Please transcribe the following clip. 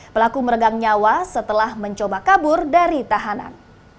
pelaku meregang nyawa setelah mencoba kabur dari tahanan